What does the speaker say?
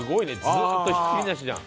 ずっとひっきりなしじゃん。